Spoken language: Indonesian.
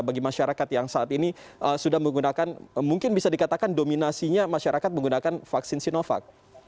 bagi masyarakat yang saat ini sudah menggunakan mungkin bisa dikatakan dominasinya masyarakat menggunakan vaksin sinovac